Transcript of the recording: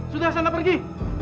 sudah sana pergi